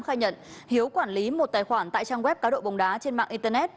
khai nhận hiếu quản lý một tài khoản tại trang web cá độ bóng đá trên mạng internet